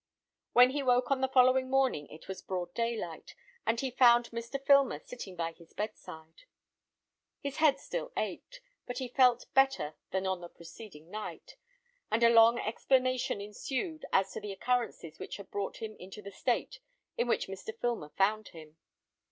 When he woke on the following morning it was broad daylight, and he found Mr. Filmer sitting by his bedside. His head still ached, but he felt better than on the preceding night, and a long explanation ensued as to the occurrences which had brought him into the state in which Mr. Filmer found him.